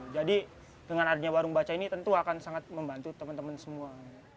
jadi dengan adanya warung baca ini tentu akan sangat membantu teman teman semua